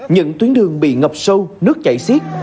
những tuyến đường bị ngập sâu nước chảy xiết